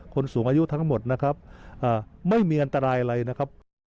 สูงอายุทั้งหมดนะครับไม่มีอันตรายอะไรนะครับ